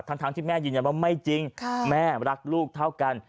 ทั้งที่แม่ยืนยันว่าไม่จริงแม่รักลูกเท่ากัน